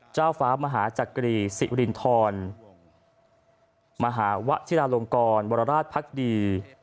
เจ้าฟ้ามหาจักรีสิรินทรมหาวะธิลาลงกรวรราชพักดี